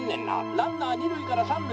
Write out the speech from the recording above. ランナー二塁から三塁」。